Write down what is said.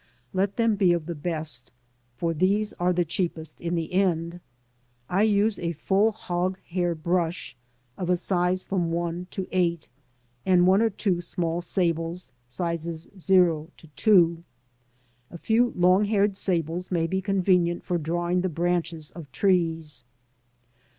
Let them be of the best, for these are the cheapest in the end. I use a full hog hair brush, of a size from I to 8, and one or two small sables, sizes o to 2. A few long haired sables may be convenient for drawing the branches of trees.